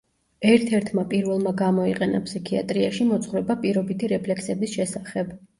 ერთ-ერთმა პირველმა გამოიყენა ფსიქიატრიაში მოძღვრება პირობითი რეფლექსების შესახებ.